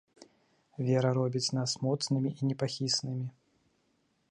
Вера робіць нас моцнымі і непахіснымі.